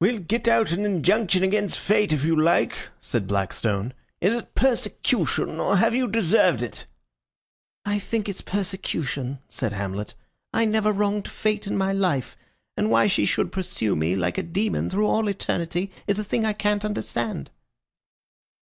"We'll get out an injunction against Fate if you like," said Blackstone. "Is it persecution, or have you deserved it?" "I think it's persecution," said Hamlet. "I never wronged Fate in my life, and why she should pursue me like a demon through all eternity is a thing I can't understand."